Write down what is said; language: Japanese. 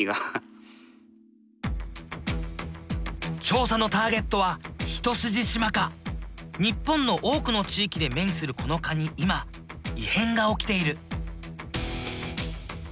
調査のターゲットは日本の多くの地域で目にするこの蚊に今異変が起きている。